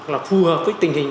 là phù hợp với tình hình